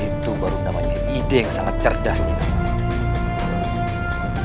itu baru namanya ide yang sangat cerdas nyi nawang